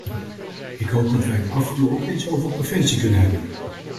Ik hoop dat wij het af en toe ook eens over preventie kunnen hebben.